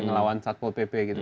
ngelawan satpol pp gitu